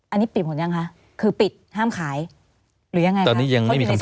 อันนี้ปิดผลยังคะคือปิดห้ามขายหรือยังไงคะ